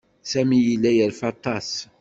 Sami yella yerfa aṭas.